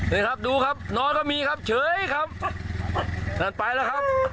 นี่ครับดูครับนอนก็มีครับเฉยครับนั่นไปแล้วครับ